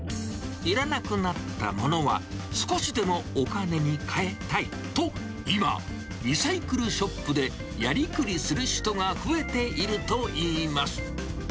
いらなくなったものは少しでもお金にかえたい、と、今、リサイクルショップでやりくりする人が増えているといいます。